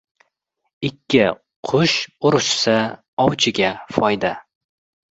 • Ikki qush urushsa, ovchiga foyda.